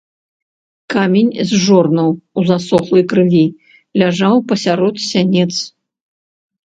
Камень з жорнаў у засохлай крыві ляжаў пасярод сянец.